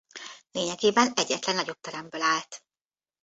Lényegében egyetlen nagyobb teremből áll.